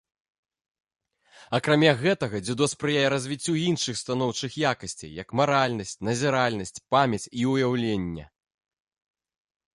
Акрамя гэтага, дзюдо спрыяе развіццю іншых станоўчых якасцей, як маральнасць, назіральнасць, памяць і ўяўленне.